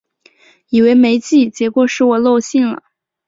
以为没寄，结果是我漏信了